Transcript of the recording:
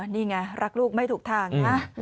นี่ไงรักลูกไม่ถูกทางนะ